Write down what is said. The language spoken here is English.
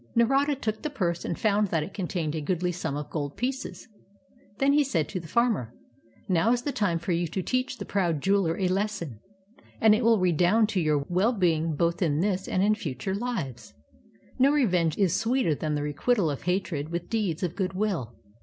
Narada took the purse and found that it contained a goodly sum of gold pieces. Then he said to the farmer :" Now is the time for you to teach the proud jeweler a lesson, and it will redound to your well being both in this and in future lives. No revenge is sweeter than the requital of hatred with deeds of good will.